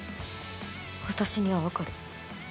私には分かる。